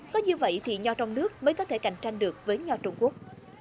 có như vậy thì nho trong nước mới có thể cạnh tranh được với nhau trung quốc